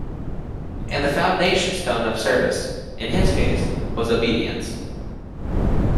And the foundation stone of service, in his case, was obedience.